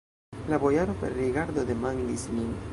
La bojaro per rigardo demandis lin.